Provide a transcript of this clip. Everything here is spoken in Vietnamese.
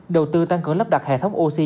đầu tư tăng cường lắp đặt hệ thống oxy